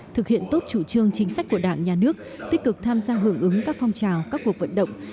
thực hiện tốt chủ trương chính sách của đảng nhà nước tích cực tham gia hưởng ứng các phong trào các cuộc vận động